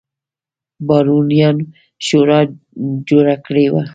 بارونیانو شورا جوړه کړې وه.